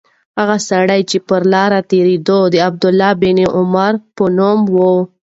هغه سړی چې پر لاره تېرېده د عبدالله بن عمر په نوم و.